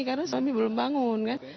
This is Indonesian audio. karena suami belum bangun